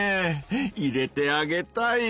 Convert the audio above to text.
入れてあげたい！